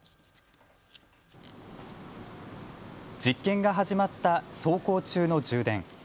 実験が始まった走行中の充電。